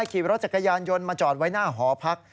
ขี่รถจักรยานยนต์มาจอดไว้หน้าหอพัก